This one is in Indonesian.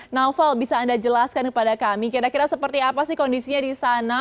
naufal bisa anda jelaskan kepada kami kira kira seperti apa sih kondisinya di sana